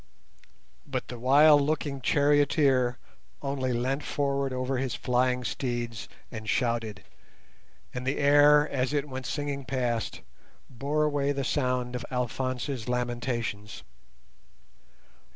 But the wild looking charioteer only leant forward over his flying steeds and shouted; and the air, as it went singing past, bore away the sound of Alphonse's lamentations.